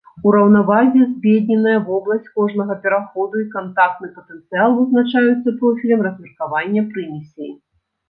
У раўнавазе збедненая вобласць кожнага пераходу і кантактны патэнцыял вызначаюцца профілем размеркавання прымесей.